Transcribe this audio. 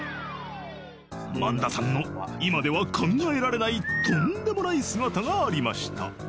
［萬田さんの今では考えられないとんでもない姿がありました］